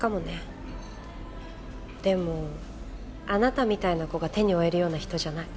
でもあなたみたいな子が手に負えるような人じゃない。